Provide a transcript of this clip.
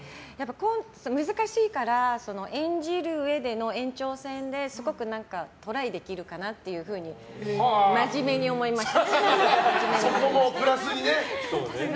難しいから、演じるうえでの延長戦ですごくトライできるかなっていうふうにそこもプラスにね。